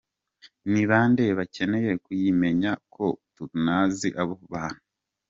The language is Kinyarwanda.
ni bande bakeneye kuyimenya ko tunazi abo bantu?